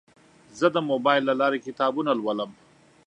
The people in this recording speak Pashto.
زه د موبایل له لارې کتابونه لولم.